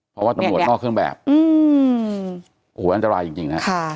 เพราะว่าตำรวจนอกเครื่องแบบอื้อโหน่าอะรายจริงจริงฮะค่ะ